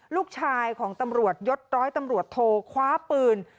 ลูกชายของตำรวจยศร้อยตำรวจโทคว้าปืน